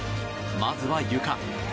まずは、ゆか。